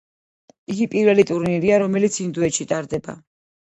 იგი პირველი ტურნირია, რომელიც ინდოეთში ტარდება.